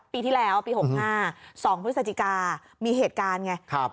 ปีที่แล้วปี๖๕๒พฤศจิกามีเหตุการณ์ไง